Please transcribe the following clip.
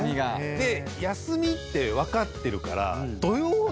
で休みって分かってるから。